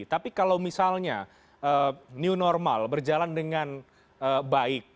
tapi kalau misalnya new normal berjalan dengan baik